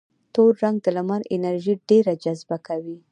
تور رنګ د لمر انرژي ډېره جذبه کوي.